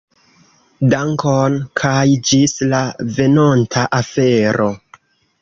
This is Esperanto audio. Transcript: Dankon, kaj ĝis la venonta afero.